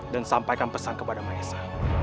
dan sampaikan pesan kepada maessa